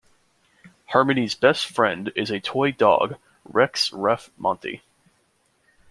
Harmony's best friend is a toy dog, Rex Ruff Monty.